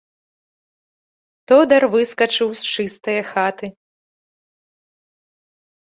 Тодар выскачыў з чыстае хаты.